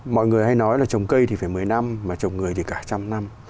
mọi người hay nói là trồng cây thì phải một mươi năm mà trồng người thì cả trăm năm